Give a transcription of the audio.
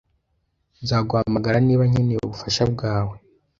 Nzaguhamagara niba nkeneye ubufasha bwawe